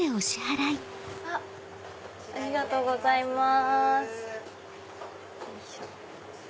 ありがとうございます。